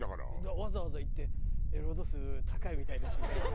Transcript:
わざわざ行って「エロ度数高いみたいですね」。